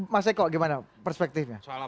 mas eko bagaimana perspektifnya